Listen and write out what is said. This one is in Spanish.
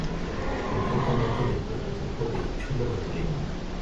Concretamente del prototipo de "chulo madrileño".